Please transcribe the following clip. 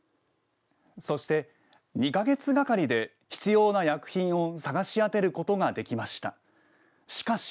そして２か月がかりで必要な薬品を探し当てることができました。